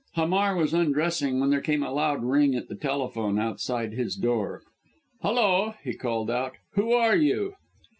Hamar was undressing, when there came a loud ring at the telephone, outside his door. "Holloa!" he called out, "who are you?"